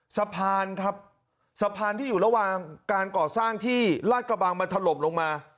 สะพานครับสะพานที่อยู่ระหว่างการก่อสร้างที่ลาดกระบังมันถล่มลงมา